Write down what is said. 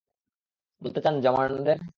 বলতে চান জার্মানদের?